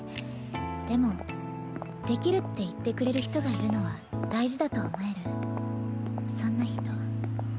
でもできるって言ってくれる人がいるのは大事だと思えるそんな人。